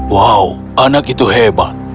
wow anak itu hebat